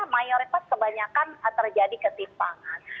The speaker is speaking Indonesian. mayoritas kebanyakan terjadi ketimpangan